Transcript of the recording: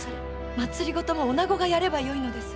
政もおなごがやればよいのです。